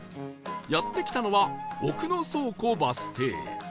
やって来たのは奥野倉庫バス停